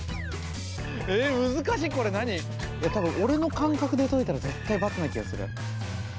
えっ多分俺の感覚で解いたら絶対バツな気がする。